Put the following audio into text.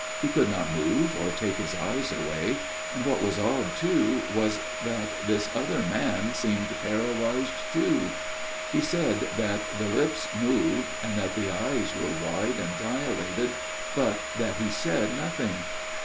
He could not move or take his eyes away ; and what was odd too was that this other man seemed paralysed too. He said FATHER MADDOX'S TALE 231 that the lips moved, and that the eyes were wide and dilated, but that he said nothing.